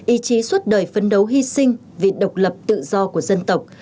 ý chí suốt đời phấn đấu hy sinh vì độc lập tự do của dân tộc